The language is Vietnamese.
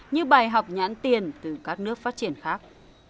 như bài học nhãn tiền từ các nước phát triển khác